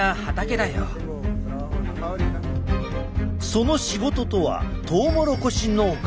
その仕事とはトウモロコシ農家。